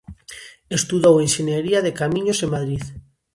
Estudou enxeñería de camiños en Madrid.